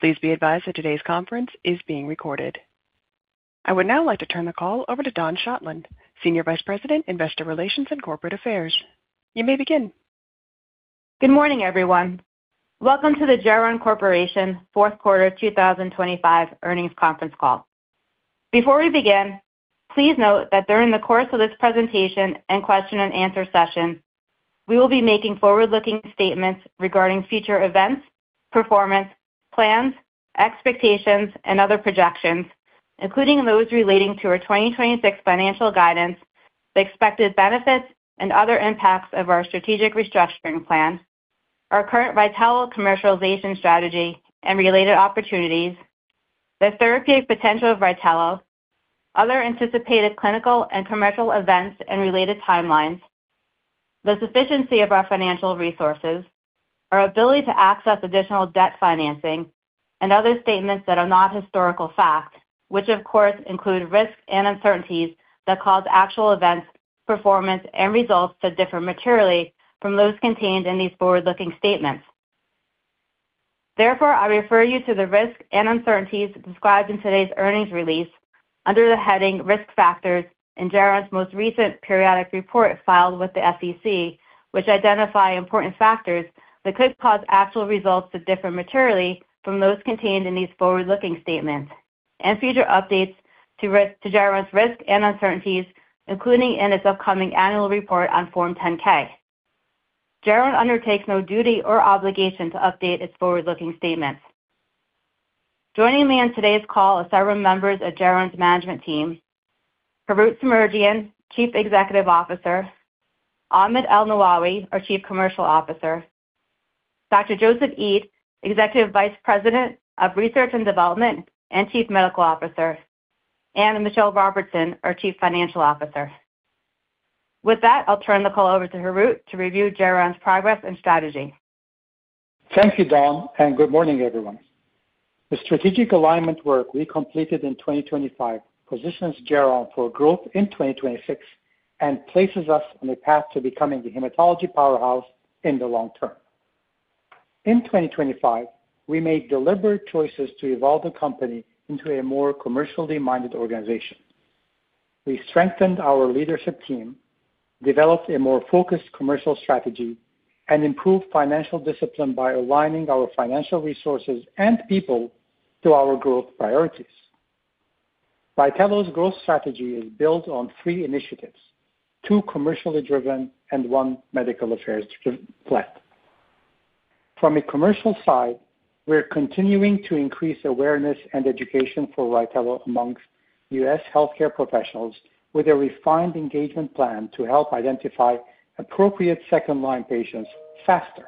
Please be advised that today's conference is being recorded. I would now like to turn the call over to Dawn Schottlandt, Senior Vice President, Investor Relations and Corporate Affairs. You may begin. Good morning, everyone. Welcome to the Geron Corporation fourth quarter 2025 earnings conference call. Before we begin, please note that during the course of this presentation and question and answer session, we will be making forward-looking statements regarding future events, performance, plans, expectations, and other projections, including those relating to our 2026 financial guidance, the expected benefits and other impacts of our strategic restructuring plan, our current RYTELO commercialization strategy and related opportunities, the therapeutic potential of RYTELO, other anticipated clinical and commercial events and related timelines, the sufficiency of our financial resources, our ability to access additional debt financing, and other statements that are not historical fact, which of course include risks and uncertainties that cause actual events, performance, and results to differ materially from those contained in these forward-looking statements. Therefore, I refer you to the risks and uncertainties described in today's earnings release under the heading Risk Factors in Geron's most recent periodic report filed with the SEC, which identify important factors that could cause actual results to differ materially from those contained in these forward-looking statements and future updates to Geron's risks and uncertainties, including in its upcoming annual report on Form 10-K. Geron undertakes no duty or obligation to update its forward-looking statements. Joining me on today's call are several members of Geron's management team. Harout Semerjian, Chief Executive Officer, Ahmed ElNawawi, our Chief Commercial Officer, Dr. Joseph Eid, Executive Vice President of Research and Development and Chief Medical Officer, Michelle Robertson, our Chief Financial Officer. With that, I'll turn the call over to Harout to review Geron's progress and strategy. Thank you, Dawn. Good morning, everyone. The strategic alignment work we completed in 2025 positions Geron for growth in 2026 and places us on a path to becoming the hematology powerhouse in the long term. In 2025, we made deliberate choices to evolve the company into a more commercially minded organization. We strengthened our leadership team, developed a more focused commercial strategy, and improved financial discipline by aligning our financial resources and people to our growth priorities. RYTELO's growth strategy is built on three initiatives, two commercially driven and one medical affairs driven plan. A commercial side, we're continuing to increase awareness and education for RYTELO amongst U.S. healthcare professionals with a refined engagement plan to help identify appropriate second-line patients faster.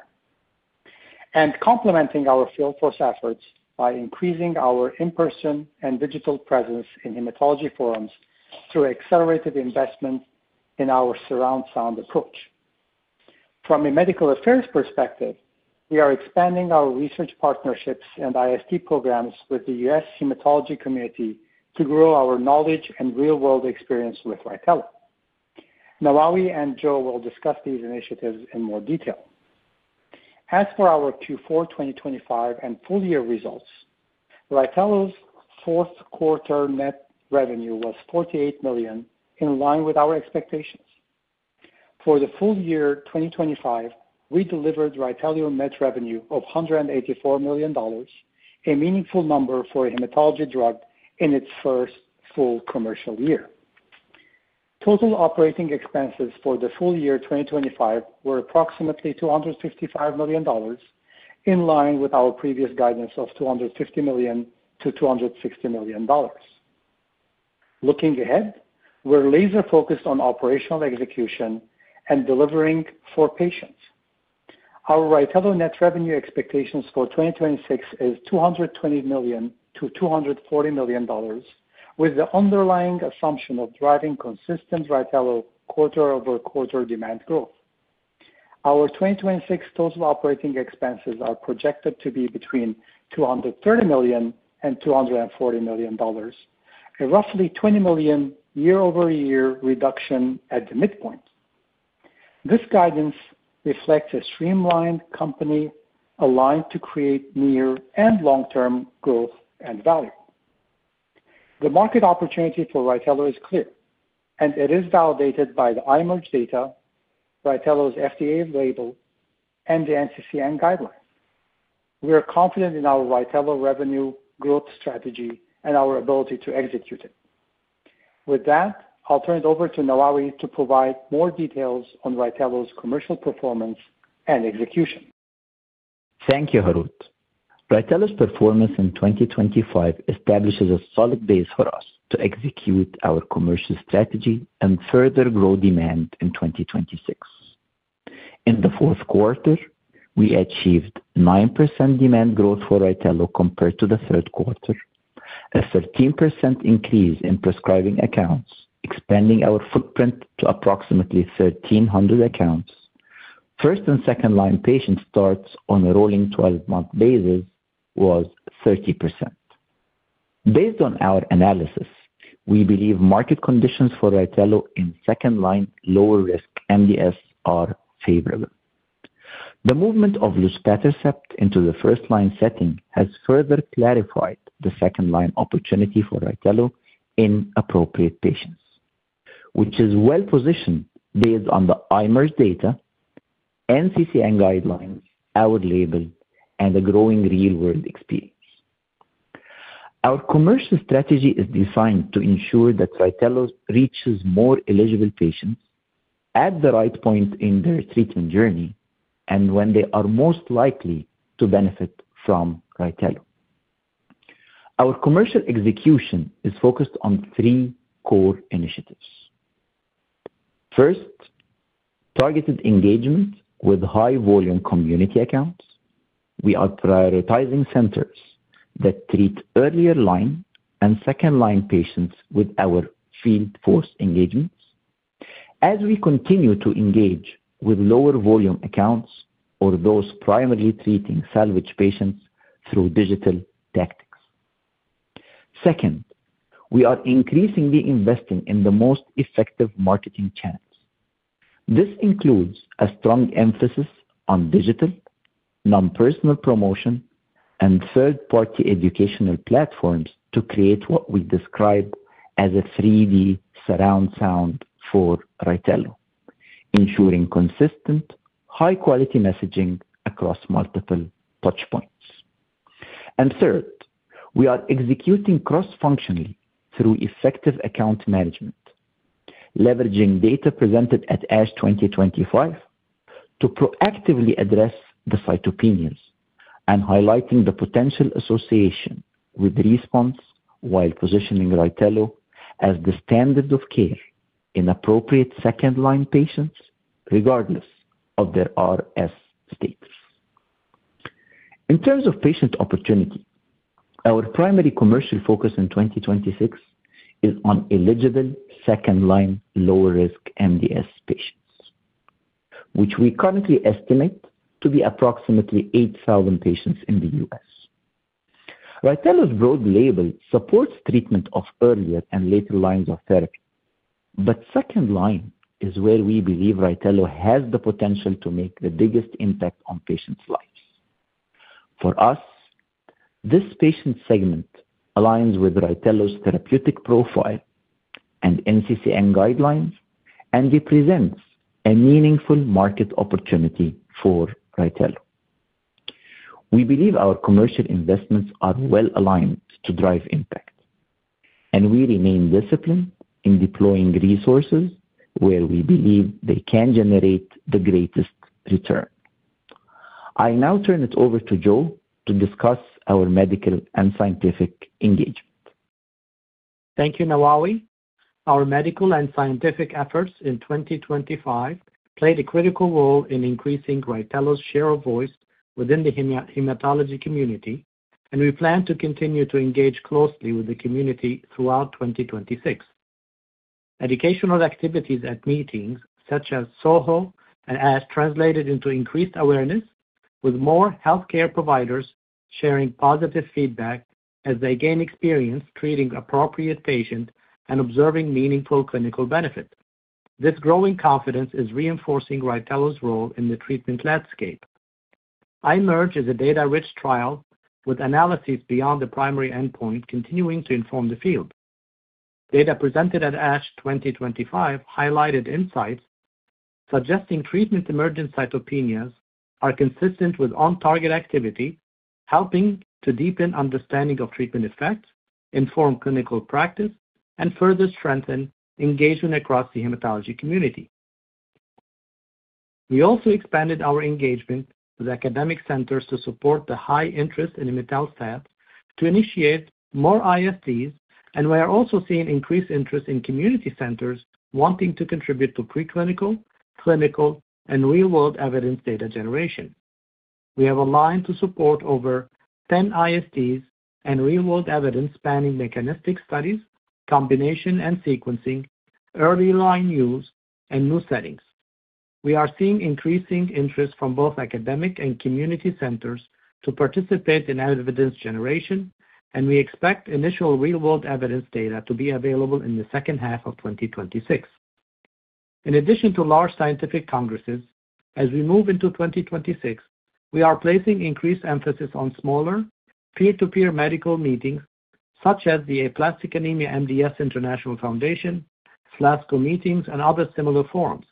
Complementing our field force efforts by increasing our in-person and digital presence in hematology forums through accelerated investment in our surround sound approach. From a medical affairs perspective, we are expanding our research partnerships and IST programs with the U.S. hematology community to grow our knowledge and real-world experience with RYTELO. ElNawawi and Joe will discuss these initiatives in more detail. As for our Q4 2025 and full year results, RYTELO's fourth quarter net revenue was $48 million, in line with our expectations. For the full year 2025, we delivered RYTELO net revenue of $184 million, a meaningful number for a hematology drug in its first full commercial year. Total operating expenses for the full year 2025 were approximately $255 million, in line with our previous guidance of $250 million-$260 million. Looking ahead, we're laser-focused on operational execution and delivering for patients. Our RYTELO net revenue expectations for 2026 is $220 million-$240 million, with the underlying assumption of driving consistent RYTELO quarter-over-quarter demand growth. Our 2026 total operating expenses are projected to be between $230 million and $240 million, a roughly $20 million year-over-year reduction at the midpoint. This guidance reflects a streamlined company aligned to create near and long-term growth and value. The market opportunity for RYTELO is clear, and it is validated by the IMerge data, RYTELO's FDA label, and the NCCN guidelines. We are confident in our RYTELO revenue growth strategy and our ability to execute it. With that, I'll turn it over to Nawawy to provide more details on RYTELO's commercial performance and execution. Thank you, Harut. RYTELO's performance in 2025 establishes a solid base for us to execute our commercial strategy and further grow demand in 2026. In the fourth quarter, we achieved 9% demand growth for RYTELO compared to the third quarter, a 13% increase in prescribing accounts, expanding our footprint to approximately 1,300 accounts. First and second-line patient starts on a rolling 12-month basis was 30%. Based on our analysis, we believe market conditions for RYTELO in second-line, lower-risk MDS are favorable. The movement of luspatercept into the first-line setting has further clarified the second-line opportunity for RYTELO in appropriate patients, which is well-positioned based on the IMerge data, NCCN guidelines, our label, and the growing real-world experience. Our commercial strategy is designed to ensure that RYTELO reaches more eligible patients at the right point in their treatment journey and when they are most likely to benefit from RYTELO. Our commercial execution is focused on three core initiatives. First, targeted engagement with high-volume community accounts. We are prioritizing centers that treat earlier-line and second-line patients with our field force engagements as we continue to engage with lower-volume accounts or those primarily treating salvage patients through digital tactics. Second, we are increasingly investing in the most effective marketing channels. This includes a strong emphasis on digital, non-personal promotion, and third-party educational platforms to create what we describe as a 3D surround sound for RYTELO, ensuring consistent, high-quality messaging across multiple touchpoints. Third, we are executing cross-functionally through effective account management, leveraging data presented at ASH 2025 to proactively address the cytopenias and highlighting the potential association with response, while positioning RYTELO as the standard of care in appropriate second-line patients, regardless of their RS status. In terms of patient opportunity, our primary commercial focus in 2026 is on eligible second-line, lower-risk MDS patients, which we currently estimate to be approximately 8,000 patients in the US. RYTELO's broad label supports treatment of earlier and later lines of therapy, but second-line is where we believe RYTELO has the potential to make the biggest impact on patients' lives. For us, this patient segment aligns with RYTELO's therapeutic profile and NCCN guidelines and represents a meaningful market opportunity for RYTELO. We believe our commercial investments are well-aligned to drive impact. We remain disciplined in deploying resources where we believe they can generate the greatest return. I now turn it over to Joe to discuss our medical and scientific engagement. Thank you, ElNawawi. Our medical and scientific efforts in 2025 played a critical role in increasing RYTELO's share of voice within the hematology community, and we plan to continue to engage closely with the community throughout 2026. Educational activities at meetings such as SOHO and as translated into increased awareness, with more healthcare providers sharing positive feedback as they gain experience treating appropriate patients and observing meaningful clinical benefit. This growing confidence is reinforcing RYTELO's role in the treatment landscape. IMerge is a data-rich trial with analyses beyond the primary endpoint, continuing to inform the field. Data presented at ASH 2025 highlighted insights suggesting treatment-emergent cytopenias are consistent with on-target activity, helping to deepen understanding of treatment effects, inform clinical practice, and further strengthen engagement across the hematology community. We also expanded our engagement with academic centers to support the high interest in hematopath, to initiate more ISTs, and we are also seeing increased interest in community centers wanting to contribute to preclinical, clinical, and real-world evidence data generation. We have a line to support over 10 ISTs and real-world evidence spanning mechanistic studies, combination and sequencing, early line use, and new settings. We are seeing increasing interest from both academic and community centers to participate in evidence generation, and we expect initial real-world evidence data to be available in the second half of 2026. In addition to large scientific congresses, as we move into 2026, we are placing increased emphasis on smaller peer-to-peer medical meetings such as the Aplastic Anemia & MDS International Foundation, FLASCO meetings, and other similar forums.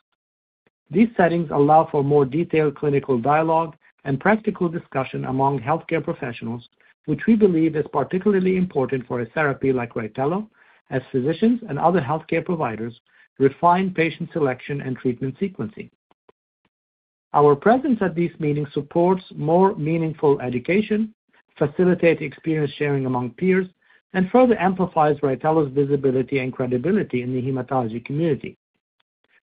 These settings allow for more detailed clinical dialogue and practical discussion among healthcare professionals, which we believe is particularly important for a therapy like RYTELO, as physicians and other healthcare providers refine patient selection and treatment sequencing. Our presence at these meetings supports more meaningful education, facilitate experience sharing among peers, and further amplifies RYTELO's visibility and credibility in the hematology community.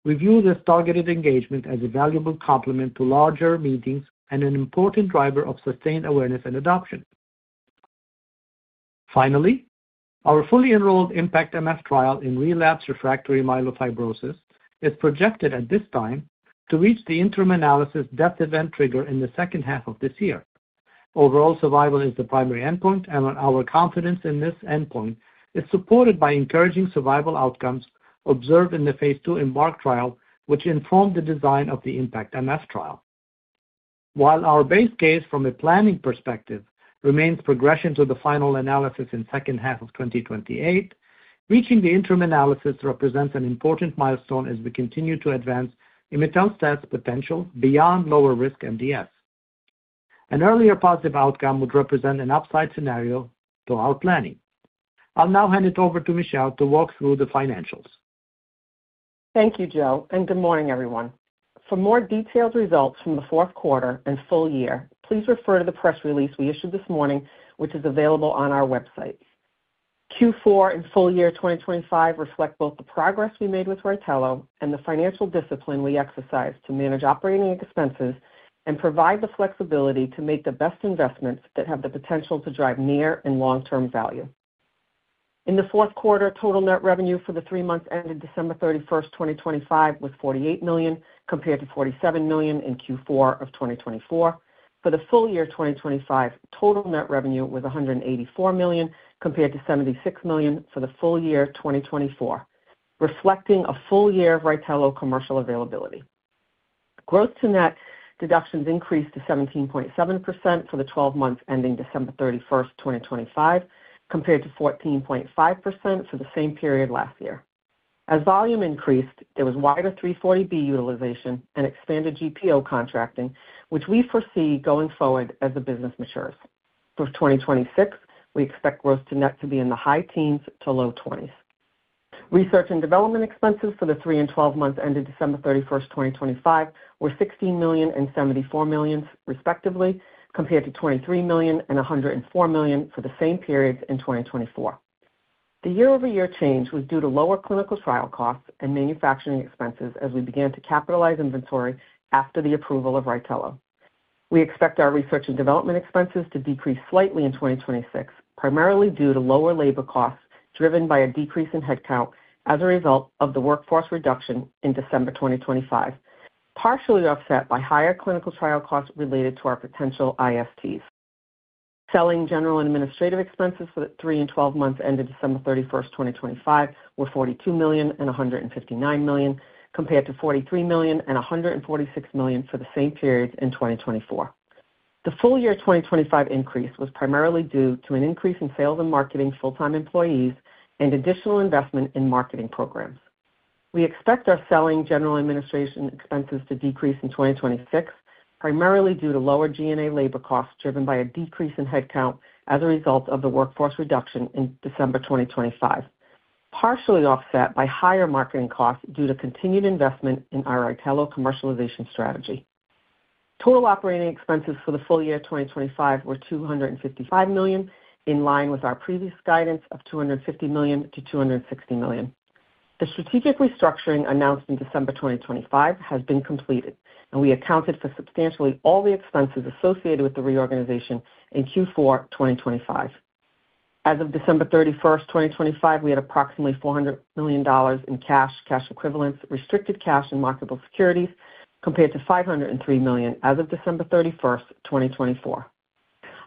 We view this targeted engagement as a valuable complement to larger meetings and an important driver of sustained awareness and adoption. Finally, our fully enrolled IMpactMF trial in relapsed refractory myelofibrosis is projected at this time. ... to reach the interim analysis death event trigger in the second half of this year. Overall survival is the primary endpoint. Our confidence in this endpoint is supported by encouraging survival outcomes observed in the phase II EMBARK trial, which informed the design of the IMpactMF trial. While our base case from a planning perspective remains progression to the final analysis in second half of 2028, reaching the interim analysis represents an important milestone as we continue to advance imetelstat's potential beyond lower-risk MDS. An earlier positive outcome would represent an upside scenario to our planning. I'll now hand it over to Michelle to walk through the financials. Thank you, Joe. Good morning, everyone. For more detailed results from the fourth quarter and full year, please refer to the press release we issued this morning, which is available on our website. Q4 and full year 2025 reflect both the progress we made with RYTELO and the financial discipline we exercised to manage operating expenses and provide the flexibility to make the best investments that have the potential to drive near and long-term value. In the fourth quarter, total net revenue for the three months ended December 31st, 2025, was $48 million, compared to $47 million in Q4 of 2024. For the full year 2025, total net revenue was $184 million, compared to $76 million for the full year 2024, reflecting a full year of RYTELO commercial availability. Gross to net deductions increased to 17.7% for the 12 months ending December 31st, 2025, compared to 14.5% for the same period last year. As volume increased, there was wider 340B utilization and expanded GPO contracting, which we foresee going forward as the business matures. For 2026, we expect gross to net to be in the high teens to low twenties. Research and development expenses for the three and 12 months ended December 31st, 2025, were $16 million and $74 million, respectively, compared to $23 million and $104 million for the same periods in 2024. The year-over-year change was due to lower clinical trial costs and manufacturing expenses as we began to capitalize inventory after the approval of RYTELO. We expect our research and development expenses to decrease slightly in 2026, primarily due to lower labor costs, driven by a decrease in headcount as a result of the workforce reduction in December 2025, partially offset by higher clinical trial costs related to our potential ISTs. Selling general and administrative expenses for the three and 12 months ended December 31st, 2025, were $42 million and $159 million, compared to $43 million and $146 million for the same periods in 2024. The full year 2025 increase was primarily due to an increase in sales and marketing full-time employees and additional investment in marketing programs. We expect our selling general administration expenses to decrease in 2026, primarily due to lower G&A labor costs, driven by a decrease in headcount as a result of the workforce reduction in December 2025, partially offset by higher marketing costs due to continued investment in our RYTELO commercialization strategy. Total operating expenses for the full year 2025 were $255 million, in line with our previous guidance of $250 million-$260 million. The strategic restructuring announced in December 2025 has been completed, and we accounted for substantially all the expenses associated with the reorganization in Q4 2025. As of December 31, 2025, we had approximately $400 million in cash equivalents, restricted cash and marketable securities, compared to $503 million as of December 31, 2024.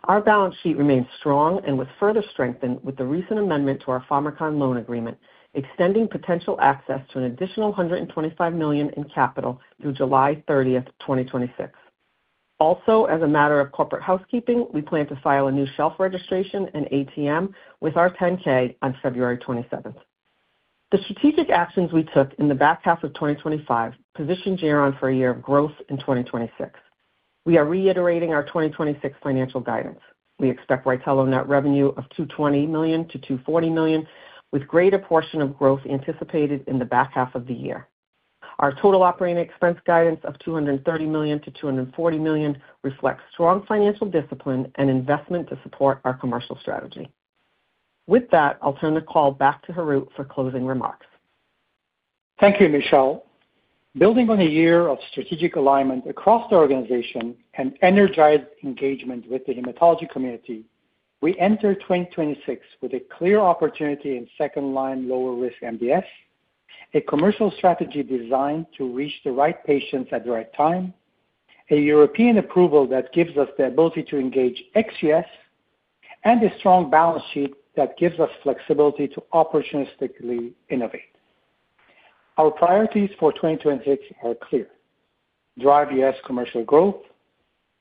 Our balance sheet remains strong and was further strengthened with the recent amendment to our Pharmakon loan agreement, extending potential access to an additional $125 million in capital through July 30, 2026. Also, as a matter of corporate housekeeping, we plan to file a new shelf registration and ATM with our 10-K on February 27. The strategic actions we took in the back half of 2025 positioned Geron for a year of growth in 2026. We are reiterating our 2026 financial guidance. We expect RYTELO net revenue of $220 million-$240 million, with greater portion of growth anticipated in the back half of the year. Our total operating expense guidance of $230 million-$240 million reflects strong financial discipline and investment to support our commercial strategy. With that, I'll turn the call back to Harut for closing remarks. Thank you, Michelle. Building on a year of strategic alignment across the organization and energized engagement with the hematology community, we enter 2026 with a clear opportunity in second-line, lower-risk MDS, a commercial strategy designed to reach the right patients at the right time, a European approval that gives us the ability to engage ex-U.S., and a strong balance sheet that gives us flexibility to opportunistically innovate. Our priorities for 2026 are clear: drive the U.S. commercial growth,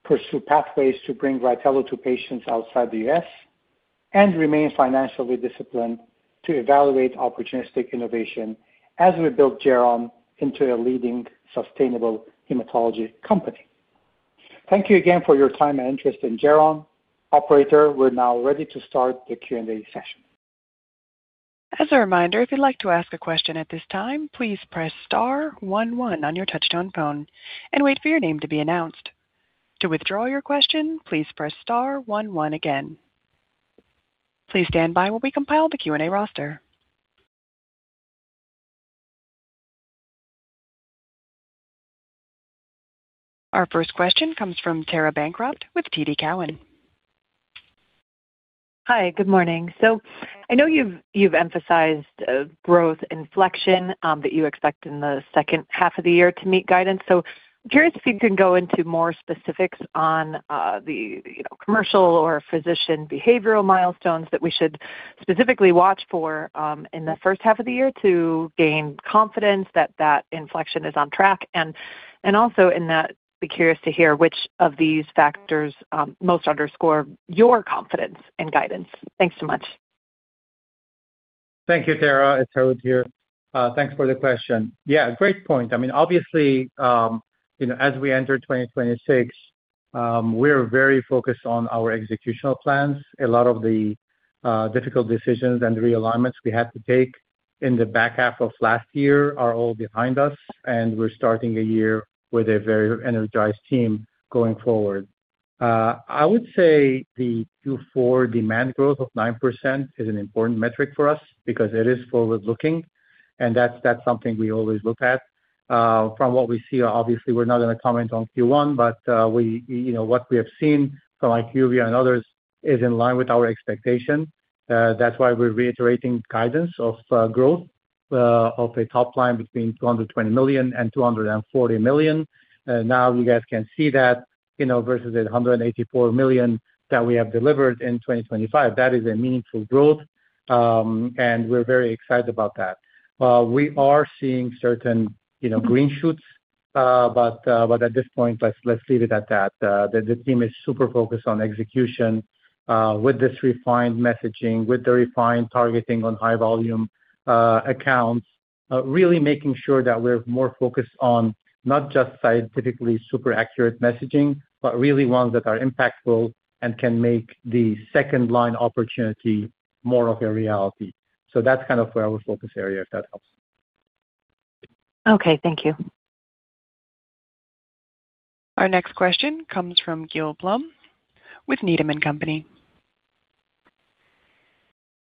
pursue pathways to bring RYTELO to patients outside the U.S., and remain financially disciplined to evaluate opportunistic innovation as we build Geron into a leading sustainable hematology company. Thank you again for your time and interest in Geron. Operator, we're now ready to start the Q&A session. As a reminder, if you'd like to ask a question at this time, please press star one one on your touchtone phone and wait for your name to be announced. To withdraw your question, please press star one one again. Please stand by while we compile the Q&A roster. Our first question comes from Tara Bancroft with TD Cowen. Hi, good morning. I know you've emphasized a growth inflection, that you expect in the second half of the year to meet guidance. Curious if you can go into more specifics on the, you know, commercial or physician behavioral milestones that we should specifically watch for, in the first half of the year to gain confidence that that inflection is on track. Also in that, be curious to hear which of these factors, most underscore your confidence and guidance. Thanks so much. Thank you, Tara. It's Harut here. Thanks for the question. Yeah, great point. I mean, obviously, you know, as we enter 2026, we're very focused on our executional plans. A lot of the difficult decisions and realignments we had to take in the back half of last year are all behind us, and we're starting a year with a very energized team going forward. I would say the Q4 demand growth of 9% is an important metric for us because it is forward-looking, and that's something we always look at. From what we see, obviously, we're not going to comment on Q1, but we, you know, what we have seen from IQVIA and others is in line with our expectation. That's why we're reiterating guidance of growth of a top line between $220 million and $240 million. Now you guys can see that, you know, versus the $184 million that we have delivered in 2025. That is a meaningful growth, and we're very excited about that. We are seeing certain, you know, green shoots, but at this point, let's leave it at that. The team is super focused on execution with this refined messaging, with the refined targeting on high volume accounts. Really making sure that we're more focused on not just scientifically super accurate messaging, but really ones that are impactful and can make the second-line opportunity more of a reality. That's kind of where our focus area is, if that helps. Okay, thank you. Our next question comes from Gil Blum with Needham & Company.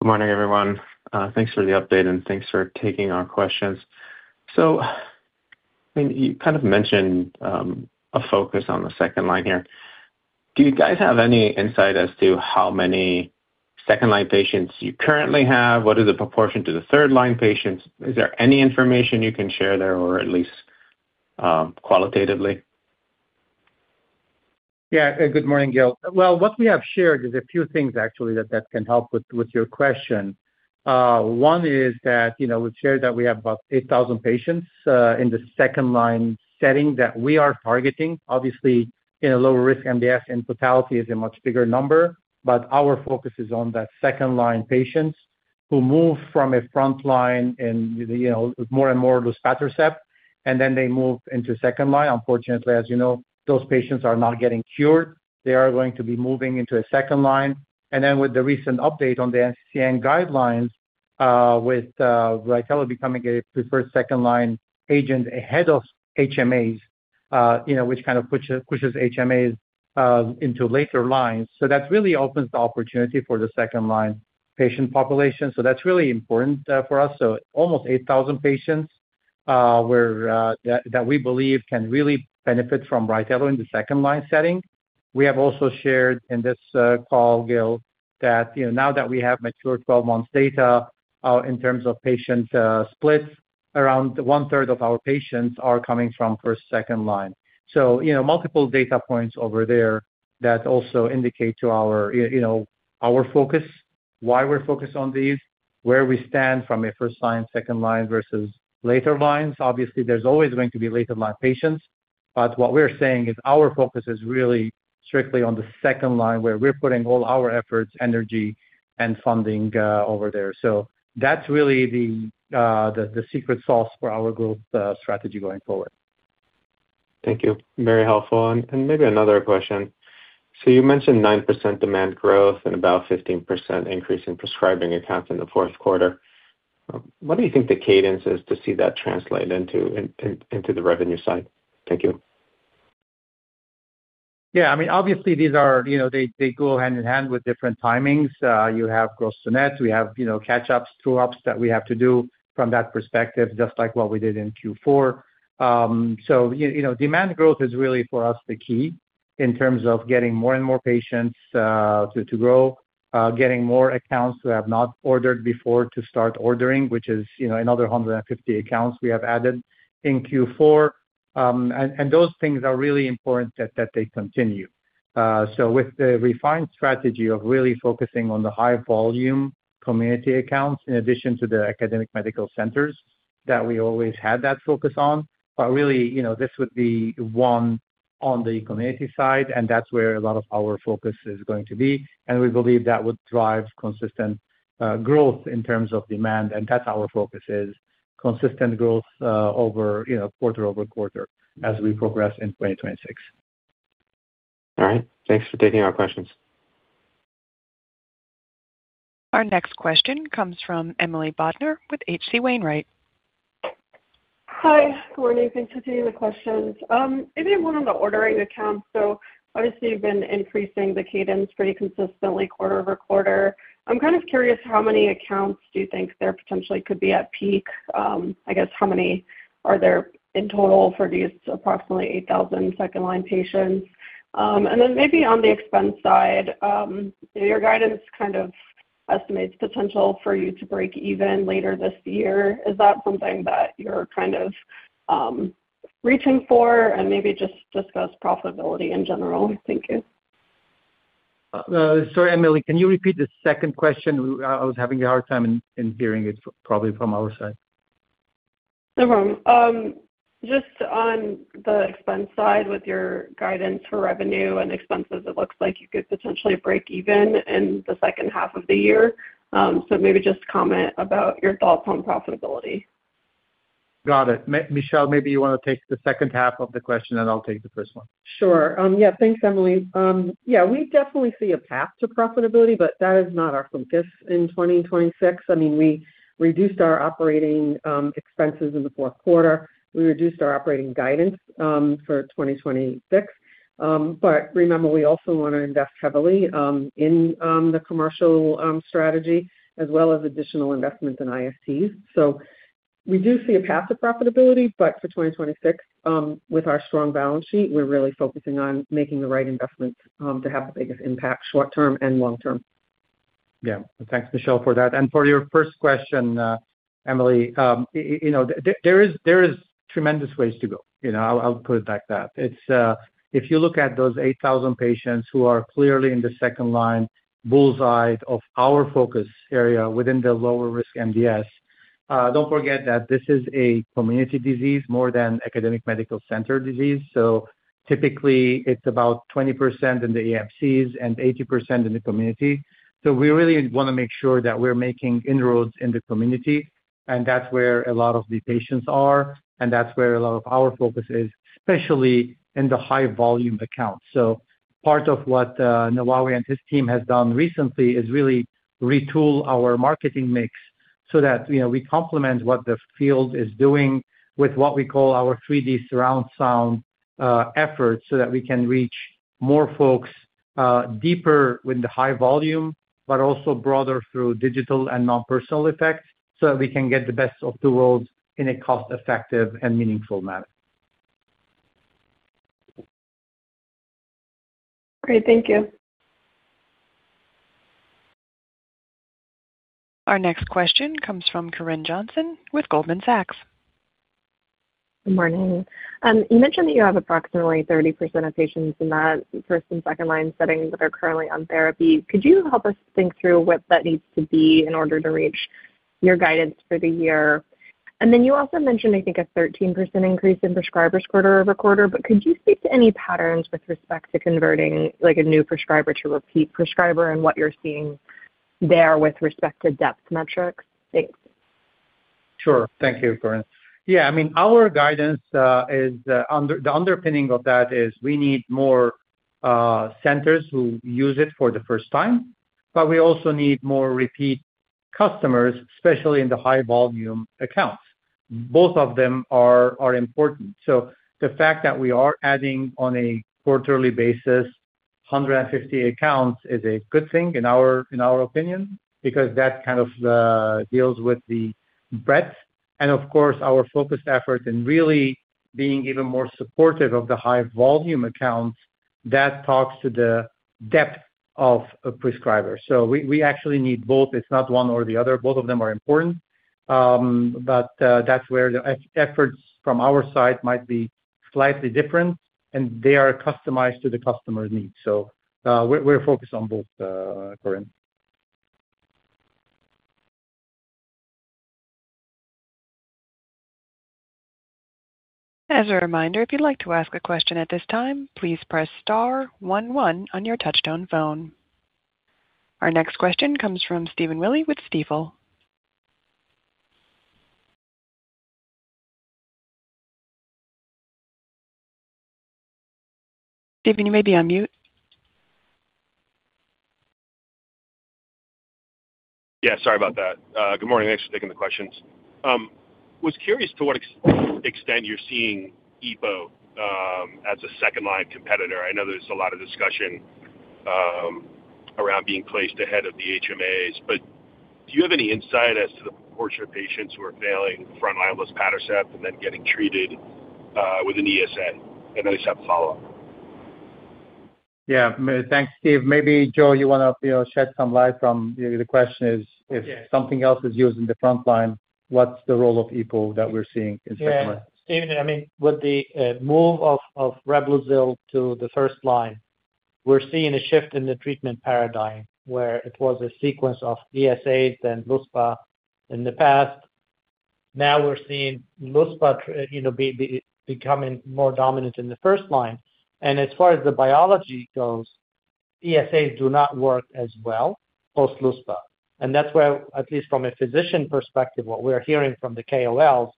Good morning, everyone. Thanks for the update, and thanks for taking our questions. I mean, you kind of mentioned, a focus on the second line here. Do you guys have any insight as to how many second-line patients you currently have? What is the proportion to the third-line patients? Is there any information you can share there, or at least, qualitatively? Yeah. Good morning, Gil. Well, what we have shared is a few things actually, that can help with your question. One is that, you know, we've shared that we have about 8,000 patients in the second-line setting that we are targeting. Obviously, in a lower risk MDS, in totality is a much bigger number, but our focus is on that second-line patients who move from a front line and, you know, more and more luspatercept, and then they move into second line. Unfortunately, as you know, those patients are not getting cured. They are going to be moving into a second line. With the recent update on the NCCN guidelines, with RYTELO becoming a preferred second-line agent ahead of HMAs, you know, which kind of pushes HMAs into later lines. That really opens the opportunity for the second-line patient population. That's really important for us. Almost 8,000 patients that we believe can really benefit from RYTELO in the second line setting. We have also shared in this call, Gil, that, you know, now that we have mature 12 months data, in terms of patient splits, around one third of our patients are coming from first, second line. You know, multiple data points over there that also indicate to our, you know, our focus, why we're focused on these, where we stand from a first line, second line versus later lines. Obviously, there's always going to be later line patients, but what we're saying is our focus is really strictly on the second line, where we're putting all our efforts, energy, and funding over there. That's really the secret sauce for our growth strategy going forward. Thank you. Very helpful. Maybe another question. You mentioned 9% demand growth and about 15% increase in prescribing accounts in the fourth quarter. What do you think the cadence is to see that translate into the revenue side? Thank you. Yeah, I mean, obviously these are, you know, they go hand in hand with different timings. You have gross to net. We have, you know, catch-ups, true-ups that we have to do from that perspective, just like what we did in Q4. You, you know, demand growth is really, for us, the key in terms of getting more and more patients to grow, getting more accounts who have not ordered before to start ordering, which is, you know, another 150 accounts we have added in Q4. And those things are really important that they continue. With the refined strategy of really focusing on the high volume community accounts, in addition to the academic medical centers that we always had that focus on, but really, you know, this would be one on the community side, and that's where a lot of our focus is going to be. We believe that would drive consistent growth in terms of demand, and that's our focus is consistent growth over, you know, quarter-over-quarter as we progress in 2026. All right. Thanks for taking our questions. Our next question comes from Emily Bodnar with H.C. Wainwright. Hi. Good morning. Thanks for taking the questions. Maybe more on the ordering accounts. Obviously, you've been increasing the cadence pretty consistently quarter-over-quarter. I'm kind of curious, how many accounts do you think there potentially could be at peak? I guess how many are there in total for these approximately 8,000 second line patients? Maybe on the expense side, your guidance kind of estimates potential for you to break even later this year. Is that something that you're kind of reaching for? Maybe just discuss profitability in general. Thank you. Sorry, Emily, can you repeat the second question? I was having a hard time in hearing it, probably from our side. No problem. Just on the expense side, with your guidance for revenue and expenses, it looks like you could potentially break even in the second half of the year. Maybe just comment about your thoughts on profitability. Got it. Michelle, maybe you want to take the second half of the question, and I'll take the first one. Sure. Yeah, thanks, Emily. Yeah, we definitely see a path to profitability, but that is not our focus in 2026. I mean, we reduced our operating expenses in the fourth quarter. We reduced our operating guidance for 2026. Remember, we also want to invest heavily in the commercial strategy, as well as additional investment in IST. We do see a path to profitability, but for 2026, with our strong balance sheet, we're really focusing on making the right investments to have the biggest impact, short term and long term. Yeah. Thanks, Michelle, for that. For your first question, Emily, you know, there is tremendous ways to go. You know, I'll put it like that. It's if you look at those 8,000 patients who are clearly in the second line bull's eye of our focus area within the lower risk MDS, don't forget that this is a community disease more than academic medical center disease. Typically, it's about 20% in the AFC and 80% in the community. We really want to make sure that we're making inroads in the community, and that's where a lot of the patients are, and that's where a lot of our focus is, especially in the high volume accounts. Part of what ElNawawi and his team has done recently is really retool our marketing mix so that, you know, we complement what the field is doing with what we call our 3D surround sound efforts, so that we can reach more folks deeper with the high volume, but also broader through digital and non-personal effects, so that we can get the best of the worlds in a cost effective and meaningful manner. Great. Thank you. Our next question comes from Corinne Johnson with Goldman Sachs. Good morning. You mentioned that you have approximately 30% of patients in that first and second line settings that are currently on therapy. Could you help us think through what that needs to be in order to reach your guidance for the year? You also mentioned, I think, a 13% increase in prescribers quarter-over-quarter. Could you speak to any patterns with respect to converting, like, a new prescriber to a repeat prescriber and what you're seeing there with respect to depth metrics? Thanks. Sure. Thank you, Corinne. I mean, our guidance is the underpinning of that is we need more centers who use it for the first time. We also need more repeat customers, especially in the high volume accounts. Both of them are important. The fact that we are adding on a quarterly basis, 150 accounts is a good thing in our opinion, because that kind of deals with the breadth and of course, our focused efforts and really being even more supportive of the high volume accounts, that talks to the depth of a prescriber. We actually need both. It's not one or the other. Both of them are important. That's where the efforts from our side might be slightly different, and they are customized to the customer's needs. We're focused on both, Corinne. As a reminder, if you'd like to ask a question at this time, please press star one one on your touchtone phone. Our next question comes from Stephen Willey with Stifel. Stephen, you may be on mute. Yeah, sorry about that. Good morning. Thanks for taking the questions. Was curious to what extent you're seeing EPO as a second line competitor. I know there's a lot of discussion around being placed ahead of the HMAs, but do you have any insight as to the proportion of patients who are failing front-line luspatercept and then getting treated with an ESA? I just have a follow-up. Yeah. Thanks, Steve. Maybe, Joe, you want to, you know, shed some light from. The question. Yeah. If something else is used in the front line, what's the role of EPO that we're seeing in second line? Yeah, Steve, I mean, with the move of Reblozyl to the first line, we're seeing a shift in the treatment paradigm, where it was a sequence of ESAs and Luspa in the past. We're seeing Luspa, you know, becoming more dominant in the first line. As far as the biology goes, ESAs do not work as well post Luspa. That's where, at least from a physician perspective, what we're hearing from the KOLs,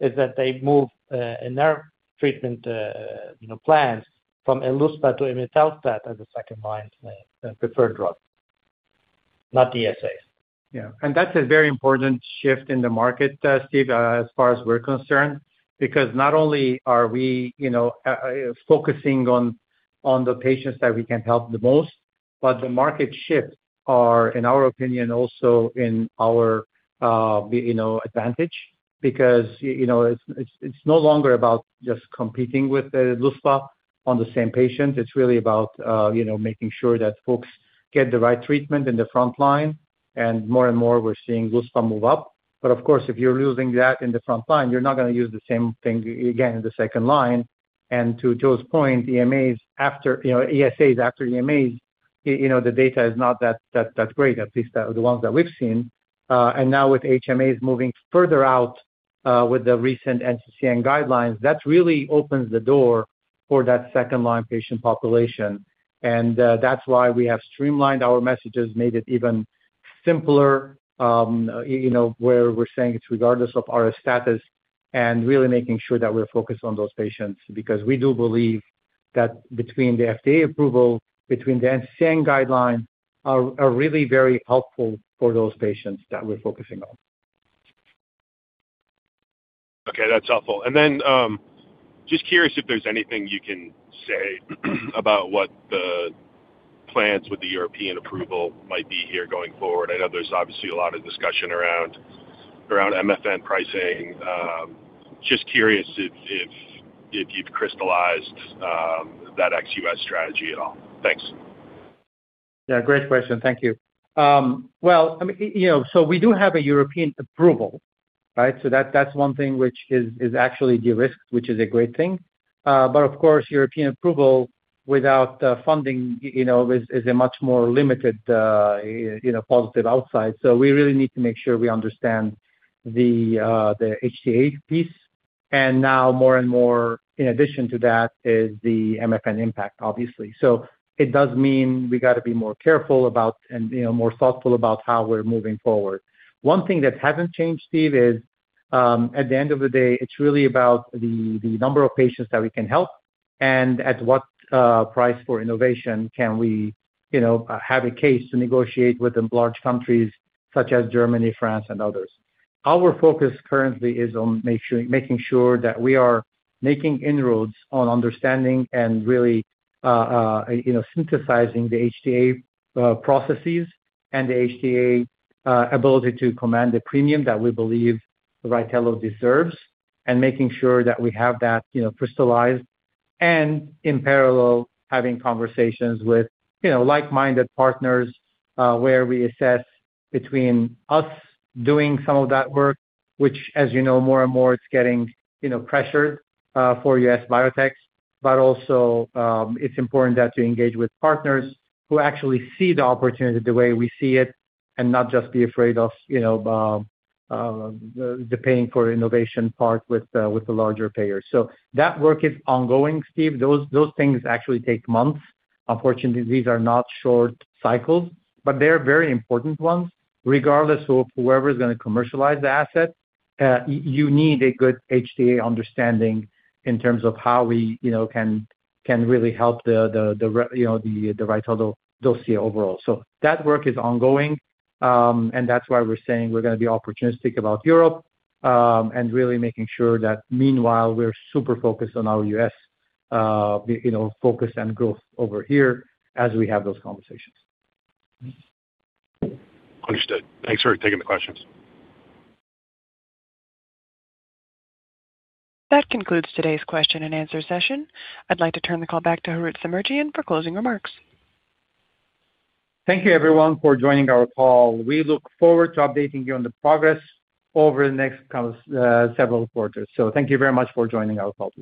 is that they've moved in their treatment, you know, plans from Luspa to imetelstat as a second-line preferred drug, not ESA. Yeah, that's a very important shift in the market, Steve, as far as we're concerned, because not only are we, you know, focusing on the patients that we can help the most, but the market shifts are, in our opinion, also in our, you know, advantage. You know, it's no longer about just competing with Luspa on the same patient. It's really about, you know, making sure that folks get the right treatment in the front line, and more and more we're seeing Luspa move up. Of course, if you're using that in the front line, you're not gonna use the same thing again in the second line. To Joe's point, ESAs after, you know, ESAs after ESAs, you know, the data is not that great, at least the ones that we've seen. Now with HMAs moving further out, with the recent NCCN guidelines, that really opens the door for that second-line patient population. That's why we have streamlined our messages, made it even simpler, you know, where we're saying it's regardless of RS status, and really making sure that we're focused on those patients. We do believe that between the FDA approval, between the NCCN guidelines, are really very helpful for those patients that we're focusing on. Okay, that's helpful. Just curious if there's anything you can say, about what the plans with the European approval might be here going forward. I know there's obviously a lot of discussion around MFN pricing. Just curious if you've crystallized that ex-US strategy at all. Thanks. Yeah, great question. Thank you. Well, I mean, you know, we do have a European approval, right? That's one thing which is actually de-risked, which is a great thing. Of course, European approval without funding, you know, is a much more limited, you know, positive outside. We really need to make sure we understand the HTA piece, and now more and more, in addition to that, is the MFN impact, obviously. It does mean we got to be more careful about and, you know, more thoughtful about how we're moving forward. One thing that hasn't changed, Steve, is, at the end of the day, it's really about the number of patients that we can help, and at what price for innovation can we, you know, have a case to negotiate with the large countries such as Germany, France, and others. Our focus currently is on making sure that we are making inroads on understanding and really, you know, synthesizing the HTA processes, and the HTA ability to command the premium that we believe RYTELO deserves, and making sure that we have that, you know, crystallized. In parallel, having conversations with, you know, like-minded partners, where we assess between us doing some of that work, which, as you know, more and more, it's getting, you know, pressured for U.S. biotechs. Also, it's important that you engage with partners who actually see the opportunity the way we see it, and not just be afraid of, you know, the paying for innovation part with the larger payers. That work is ongoing, Steve. Those things actually take months. Unfortunately, these are not short cycles, but they are very important ones. Regardless of whoever is gonna commercialize the asset, you need a good HTA understanding in terms of how we, you know, can really help the RYTELO dossier overall. That work is ongoing, and that's why we're saying we're gonna be opportunistic about Europe, and really making sure that meanwhile, we're super focused on our US, you know, focus and growth over here as we have those conversations. Understood. Thanks for taking the questions. That concludes today's question and answer session. I'd like to turn the call back to Harout Semerjian for closing remarks. Thank you, everyone, for joining our call. We look forward to updating you on the progress over the next couple, several quarters. Thank you very much for joining our call today.